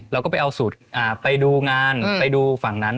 เราก็ไปเอาสูตรไปดูงานไปดูฝั่งนั้น